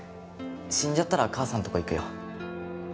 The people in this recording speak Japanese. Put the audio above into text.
死んじゃったら母さんのとこ行くよ。